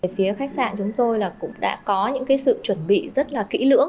phía khách sạn chúng tôi cũng đã có những sự chuẩn bị rất là kỹ lưỡng